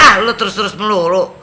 ah lo terus terus melulu